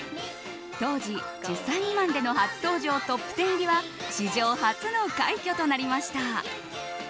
当時１０歳未満での初登場トップ１０入りは史上初の快挙となりました。